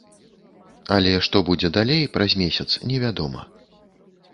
Але што будзе далей, праз месяц, невядома.